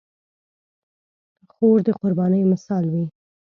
خور د قربانۍ مثال وي.